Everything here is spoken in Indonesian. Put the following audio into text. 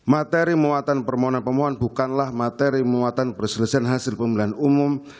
materi muatan permohonan pemohon bukanlah materi muatan perselesaian hasil pemilihan umum